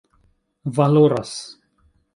valoras